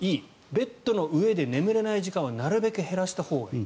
ベッドの上で眠れない時間はなるべく減らしたほうがいい。